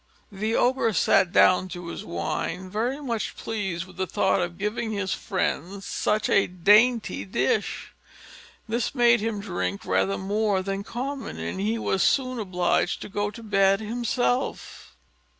The Ogre sat down to his wine, very much pleased with the thought of giving his friends such a dainty dish: this made him drink rather more than common, and he was soon obliged to go to bed himself.